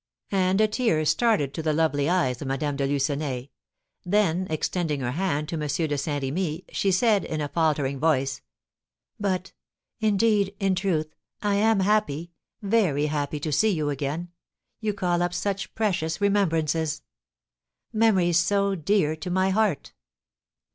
and a tear started to the lovely eyes of Madame de Lucenay; then, extending her hand to M. de Saint Remy, she said, in a faltering voice, "But indeed, in truth, I am happy, very happy, to see you again, you call up such precious remembrances, memories so dear to my heart!"